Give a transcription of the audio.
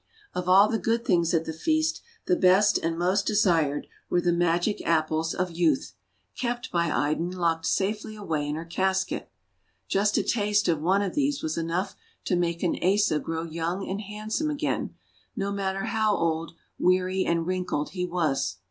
Of all the good things at the feast, the best and most desired were the Magic Apples of Youth — kept by Idun locked safely away in her casket. Just a taste of one of these was enough to make an Asa grow young and hand some again, no matter how old, weary, and wrinkled he was.